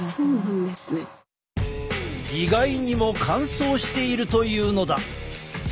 意外にも乾燥しているというのだ。